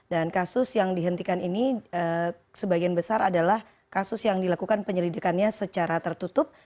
dan kasus yang dihentikan ini sebagian besar adalah kasus yang dilakukan penyelidikannya secara tertutup